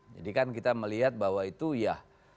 jadi kan kita melihat bahwa itu ya